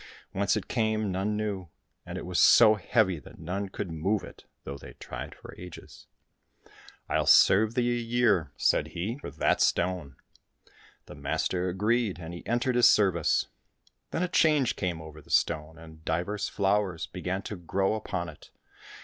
Whence it came none knew, and it was so heavy that none could move it, though they tried for ages. " I'll serve thee a year," III COSSACK FAIRY TALES said he, " for that stone." The master agreed, and he entered his service. Then a change came over the stone, and divers flowers began to grow upon it.